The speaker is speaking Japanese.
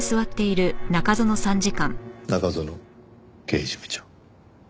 中園刑事部長。